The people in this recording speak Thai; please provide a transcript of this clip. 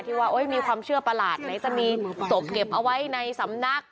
ว่ามีความเชื่อประหลาดไหนจะมีศพเก็บเอาไว้ในสำนัก